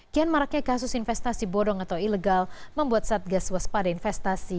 kian maraknya kasus investasi bodong atau ilegal membuat satgas waspada investasi